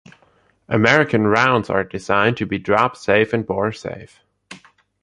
American rounds are designed to be drop-safe and bore-safe.